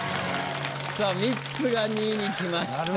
さあミッツが２位にきました。